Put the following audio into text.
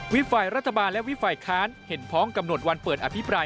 ฝ่ายรัฐบาลและวิบฝ่ายค้านเห็นพ้องกำหนดวันเปิดอภิปราย